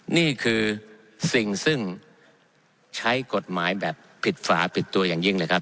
นี่คือสิ่งซึ่งใช้กฎหมายแบบผิดฝาปิดตัวอย่างยิ่งเลยครับ